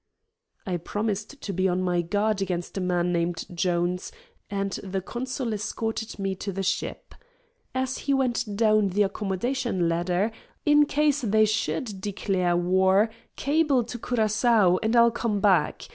I promised to be on my guard against a man named Jones, and the consul escorted me to the ship. As he went down the accommodation ladder, I called over the rail: "In case they SHOULD declare war, cable to Curacoa, and I'll come back.